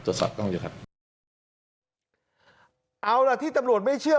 สอบต้องอยู่ครับเอาล่ะที่ตำรวจไม่เชื่อ